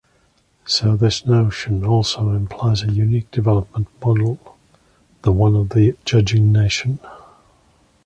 So this notion also implies a unique development model-the one of the judging nation.